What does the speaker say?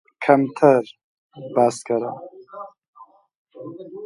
کەمتەر باس کەرا